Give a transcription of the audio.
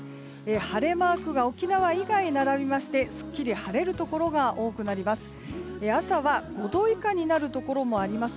晴れマークが沖縄以外並びましてすっきり晴れるところが多くなります。